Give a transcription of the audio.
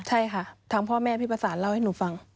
ใช่ค่ะทางพ่อแม่พี่ประสานเล่าให้หนูฟัง